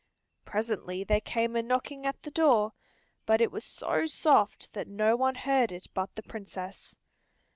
Presently there came a knocking at the door, but it was so soft that no one heard it but the Princess.